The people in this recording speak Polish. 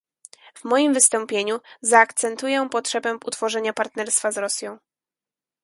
W moim wystąpieniu zaakcentuję potrzebę utworzenia partnerstwa z Rosją